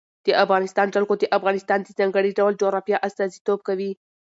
د افغانستان جلکو د افغانستان د ځانګړي ډول جغرافیه استازیتوب کوي.